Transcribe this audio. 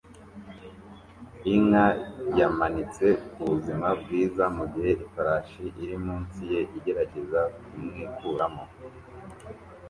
Inka yamanitse kubuzima bwiza mugihe ifarashi iri munsi ye igerageza kumwikuramo